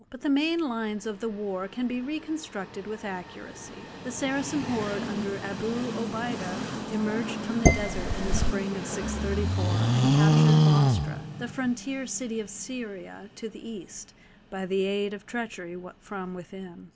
But the main lines of the war can be reconstructed with accuracy. The Saracen horde under Abu Obeida emerged from the desert in the spring of 634 and captured Bostra, the frontier city of Syria to the east, by the aid of treachery from within.